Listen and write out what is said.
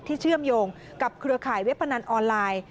เชื่อมโยงกับเครือข่ายเว็บพนันออนไลน์